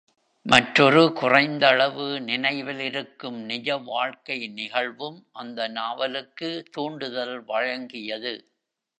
மற்றொரு குறைந்தளவு நினைவிலிருக்கும் நிஜ வாழ்க்கை நிகழ்வும் அந்த நாவலுக்கு தூண்டுதல் வழங்கியது.